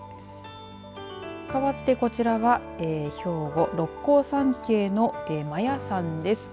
かわってこちらは兵庫六甲山系の摩耶山です。